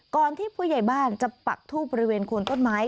ที่ผู้ใหญ่บ้านจะปักทูบบริเวณโคนต้นไม้